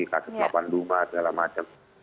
kasus lapangan rumah segala macam